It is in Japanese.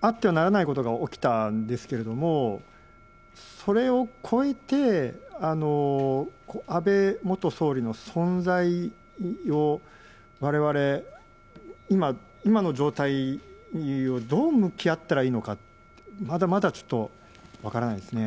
あってはならないことが起きたんですけれども、それを超えて安倍元総理の存在をわれわれ今、今の状態をどう向き合ったらいいのか、まだまだちょっと分からないですね。